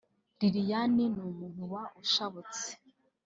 Liliane ni umuntu uba ushabutse